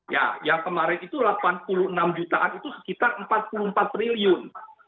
ya yang kemarin itu delapan puluh enam jutaan itu sekitar empat puluh empat triliun